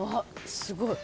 すごい。